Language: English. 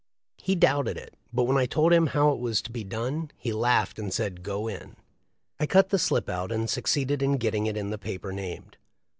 He doubted it, but when I told him how it was to be done he laughed and said, "Go in." I cut the slip out and succeeded in getting it in the paper named.